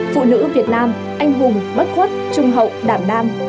phụ nữ việt nam anh hùng bất khuất trung hậu đảm nam